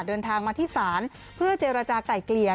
เดินทางมาที่ศาลเพื่อเจรจาก่ายเกลี่ย